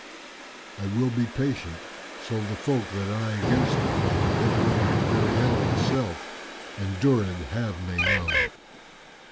I will be patient, so the folk, that I against a thing * Bitt'rer than very aloes' self,[FN#400] endurèd have, may know.